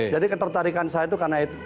jadi ketertarikan saya itu karena itu